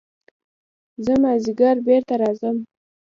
زه مازديګر بېرته راځم.